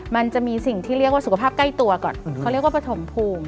มันจะมีสิ่งที่เรียกว่าสุขภาพใกล้ตัวก่อนเขาเรียกว่าปฐมภูมิ